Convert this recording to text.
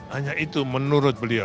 hanya itu menurut pak jokowi